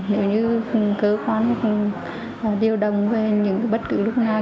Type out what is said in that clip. nếu như cơ quan cũng điều đồng với những bất cứ lúc nào